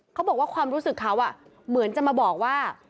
เขาบอกว่าความรู้สึกเขาเหมือนจะมาบอกว่า